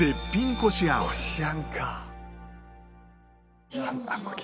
「こしあんか」